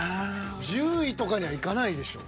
１０位とかにはいかないでしょう。